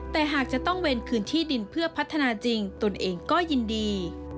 แต่หากจะต้องเวรคืนที่ดินเพื่อพัฒนาจริงตนเองก็ยินดี